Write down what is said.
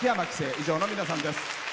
以上の皆さんです。